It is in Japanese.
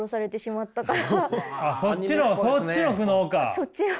そっちの。